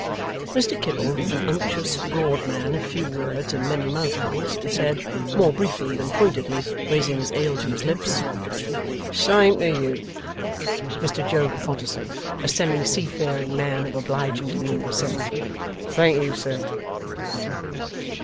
Mr Kibble, an unctuous broad man of few words and many mouthfuls, said, more briefly than pointedly, raising his ale to his lips: 'Same to you.' Mr Job Potterson, a semi seafaring man of obliging demeanour, said, 'Thank you, sir.